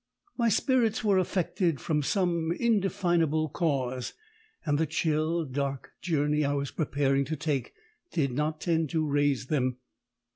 "My spirits were affected from some indefinable cause, and the chill, dark journey I was preparing to take did not tend to raise them.